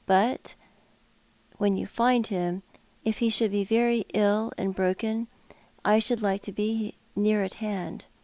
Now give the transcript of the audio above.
But wheu you find him, if he should be very ill and broken, I should like to be near at hand.